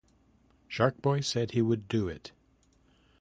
Shark Boy said he would do it.